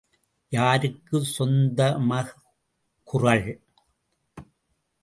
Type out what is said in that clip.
யாருக்குச் சொந்தம குறள்?